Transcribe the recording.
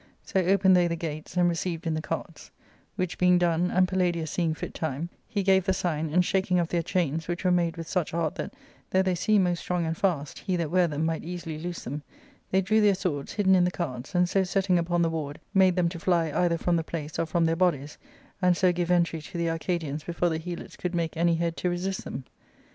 So opened they the gates, and received in the carts ; which being done, and Palladius seeing fit time, he gave the sign, and, shaking off their chains, which were made with such art that, though they • seemed most strong and fast, he that ware them might easily loose them, they drew their swords, hidden in the carts, and so setting upon the ward,* made them to fly either from the place, or from their bodies, and so give entry to the Arca dians before the Helots could make any head to resist them.